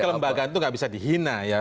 jadi kelembagaan itu nggak bisa dihina ya